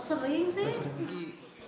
udah sering sih